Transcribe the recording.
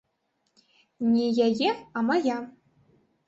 Не яе, а мая.